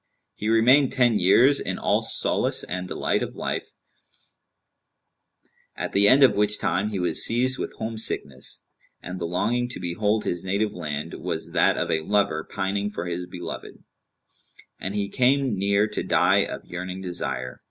He remained ten years in all solace and delight of life; at the end of which time he was seized with home sickness; and the longing to behold his native land was that of a lover pining for his beloved; and he came near to die of yearning desire.